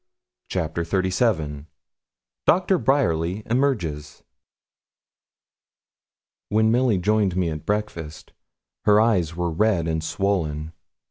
CHAPTER XXXVII DOCTOR BRYERLY EMERGES When Milly joined me at breakfast, her eyes were red and swollen.